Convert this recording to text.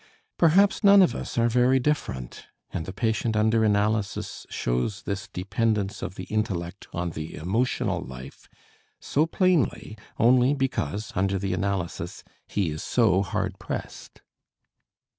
Perhaps none of us are very different, and the patient under analysis shows this dependence of the intellect on the emotional life so plainly only because, under the analysis, he is so hard pressed.